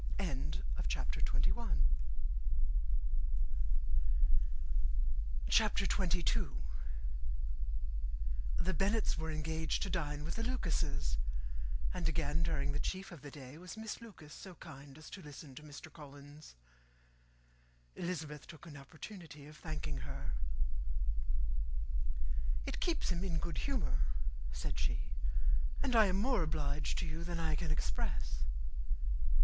CHAPTER XXII. The Bennets were engaged to dine with the Lucases; and again, during the chief of the day, was Miss Lucas so kind as to listen to Mr. Collins. Elizabeth took an opportunity of thanking her. "It keeps him in good humour," said she, "and I am more obliged to you than I can express."